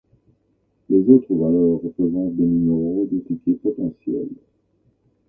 Les autres valeurs représentent des numéros de ticket potentiels.